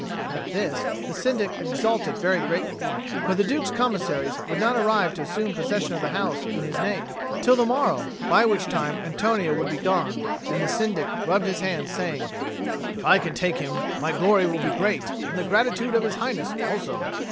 At this the Syndic exulted very greatly; for the Duke's Commissaries would not arrive to assume possession of the house in his name till the morrow, by which time Antonio would be gone; and the Syndic rubbed his hands, saying, "If I can take him my glory will be great, and the gratitude of His Highness also."